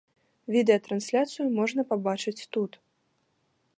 Відэатрансляцыю можна пабачыць тут.